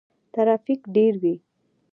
ترافیک ډیر وي.